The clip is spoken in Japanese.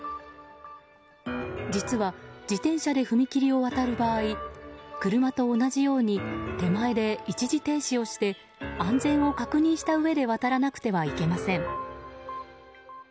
実は、自転車で踏切を渡る場合車と同じように手前で一時停止をして安全を確認したうえで渡らなくてはいけません。